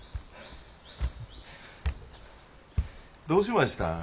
どうしました？